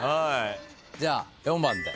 じゃあ４番で。